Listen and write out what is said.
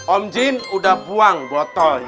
om jun udah buang botolnya